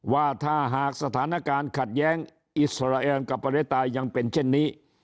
ว่าถ้าหากสถานการณ์ขัดแย้งอิสราเอลกับประเทศไทยยังเป็นเช่นนี้